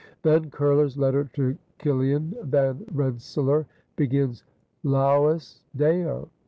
Van Curler's letter to Kiliaen Van Rensselaer begins: "Laus Deo!